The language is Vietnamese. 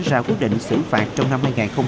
ra quyết định xử phạt trong năm hai nghìn một mươi chín